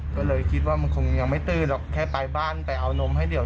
ก็เลยคิดว่ามันคงยังไม่ตื้อหรอกแค่ไปบ้านไปเอานมให้เดียว